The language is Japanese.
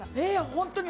ホントに！